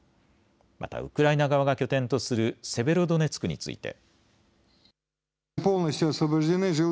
またウクライナ側が拠点とするセベロドネツクについて。